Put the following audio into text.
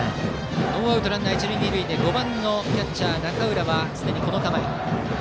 ノーアウトランナー、一塁二塁で５番のキャッチャー、中浦はすでにバントの構え。